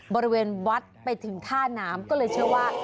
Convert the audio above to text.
บริเวณวัดไปถึงท่าน้ำก็เลยเชื่อว่า